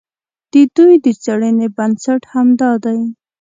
د دوی د څېړنې بنسټ همدا دی.